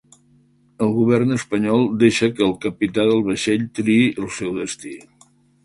El govern espanyol deixa que el capità del vaixell triï el seu destí